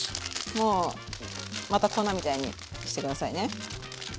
もうまた粉みたいにして下さいね。